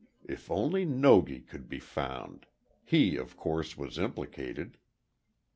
If only Nogi could be found. He, of course, was implicated.